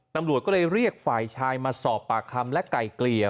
ตำรวจก็เลยเรียกฝ่ายชายมาสอบปากคำและไก่เกลี่ย